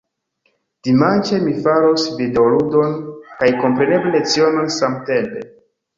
Dimanĉe, mi faros videoludon kaj kompreneble lecionon samtempe.